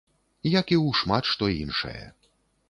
Як і ў шмат што іншае.